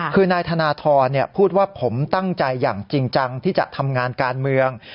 คือนายธนทรพูดว่าผมตั้งใจอย่างจริงจังที่จะทำงานการเมือง